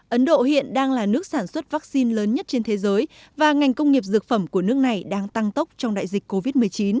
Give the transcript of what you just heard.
ấn độ hiện đang là nước sản xuất vaccine lớn nhất trên thế giới và ngành công nghiệp dược phẩm của nước này đang tăng tốc trong đại dịch covid một mươi chín